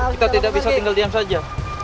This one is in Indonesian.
kita tidak bisa tinggal diam saja